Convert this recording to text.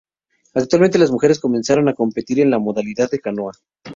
Actualmente, las mujeres comenzaron a competir en la modalidad de canoa.